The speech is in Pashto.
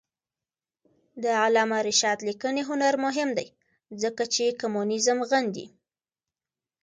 د علامه رشاد لیکنی هنر مهم دی ځکه چې کمونیزم غندي.